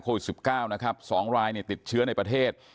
โควิด๑๙นะครับ๒รายติดเชื้อในประเทศ